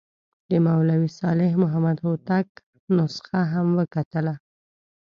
د مولوي صالح محمد هوتک نسخه هم وکتله.